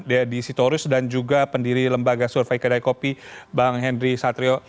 dedy sitorus dan juga pendiri lembaga survei kedai kopi bang henry satrio